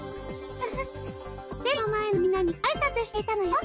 フフフテレビの前のみんなにごあいさつしていたのよ。